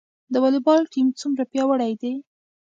د والیبال ټیم څومره پیاوړی دی؟